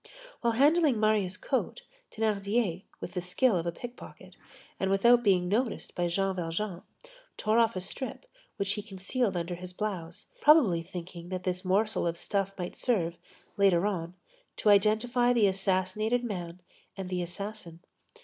While handling Marius' coat, Thénardier, with the skill of a pickpocket, and without being noticed by Jean Valjean, tore off a strip which he concealed under his blouse, probably thinking that this morsel of stuff might serve, later on, to identify the assassinated man and the assassin.